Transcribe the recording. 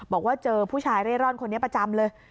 บอกว่าเจอผู้ชายเร่ร่อนคนนี้ประจำเลย